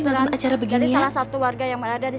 nonton acara begini ya